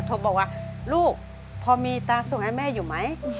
โทรบอกว่าลูกพอมีตาส่งให้แม่อยู่ไหม